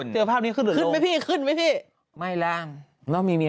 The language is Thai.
เจอภาพนี้ขึ้นหรือลงขึ้นมั้ยพี่ขึ้นมั้ยพี่